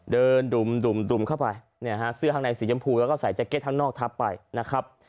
ดุ่มเข้าไปเนี่ยฮะเสื้อข้างในสีชมพูแล้วก็ใส่แก๊เก็ตข้างนอกทับไปนะครับ